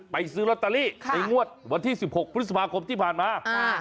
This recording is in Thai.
ซื้อลอตเตอรี่ในงวดวันที่๑๖พฤษภาคมที่ผ่านมา